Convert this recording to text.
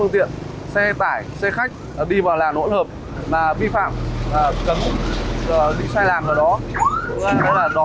tiện xe tải xe khách đi vào làn hỗn hợp mà vi phạm cấm bị sai làn vào đó